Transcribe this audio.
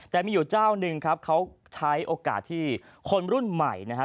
แต่มีอยู่เจ้าหนึ่งครับเขาใช้โอกาสที่คนรุ่นใหม่นะฮะ